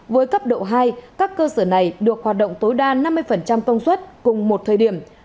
với cấp độ hai các cơ sở này được hoạt động tối đa năm mươi công suất cùng một thời điểm